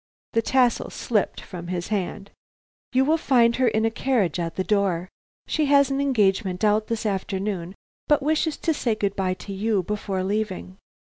The tassel slipped from his hand. "You will find her in a carriage at the door. She has an engagement out this afternoon, but wishes to say good bye to you before leaving."